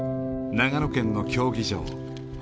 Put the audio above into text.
長野県の競技場